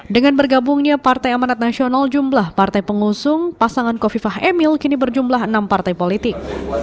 dengan bergabungnya partai amanat nasional jumlah partai pengusung pasangan kofifah emil kini berjumlah enam partai politik